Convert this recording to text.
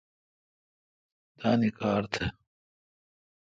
تانی کار تہ۔